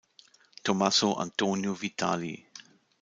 Tommaso Antonio Vitali